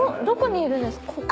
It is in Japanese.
どこにいるんですか？